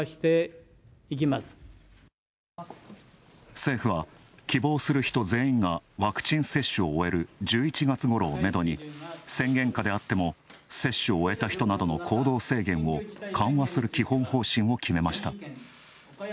政府は、希望する人全員がワクチン接種を終える１１月ごろをめどに宣言下であっても接種を終えた人などの行動制限を緩和する基本方針を決めました。